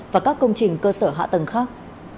và các công trình cơ sở hạ tầng khác